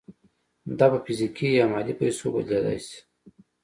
دا په فزیکي یا مادي پیسو بدلېدای شي